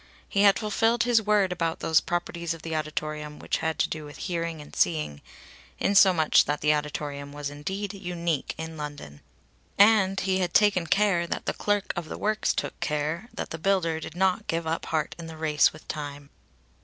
He had fulfilled his word about those properties of the auditorium which had to do with hearing and seeing in so much that the auditorium was indeed unique in London. And he had taken care that the clerk of the Works took care that the builder did not give up heart in the race with time.